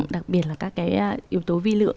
đặc biệt là các cái yếu tố vi lượng